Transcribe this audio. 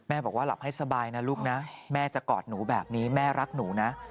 บอกว่าหลับให้สบายนะลูกนะแม่จะกอดหนูแบบนี้แม่รักหนูนะ